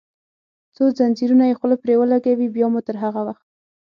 څو زنځیرونه یې خوله پرې ولګوي، بیا مو تر هغه وخت.